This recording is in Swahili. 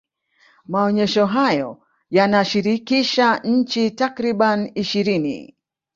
maonesho hayo yanashirikisha nchi takribani ishirini